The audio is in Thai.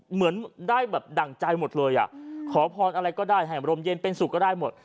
เหมือนได้แบบดั่งใจหมดเลยอ่ะขอพรอะไรก็ได้ให้รมเย็นเป็นสุขก็ได้หมด